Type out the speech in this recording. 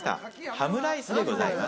ハムライスでございます。